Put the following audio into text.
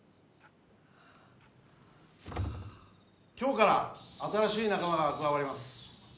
今日から新しい仲間が加わります。